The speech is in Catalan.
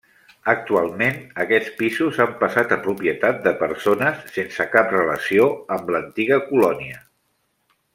Actualment aquests pisos han passat a propietat de persones sense cap relació amb l'antiga colònia.